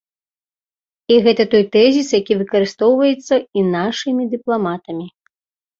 І гэта той тэзіс, які выкарыстоўваецца і нашымі дыпламатамі.